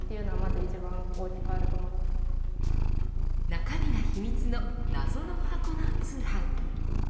中身が秘密の謎の箱の通販。